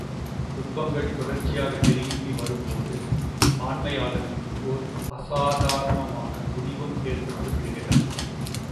துன்பங்கள் தொடர்ச்சியாக நெருங்கி வரும்போது ஆண்மையாளனுக்கு ஒர் அசாதாரணமானதுணிவும் ஏற்பட்டு விடுகிறது.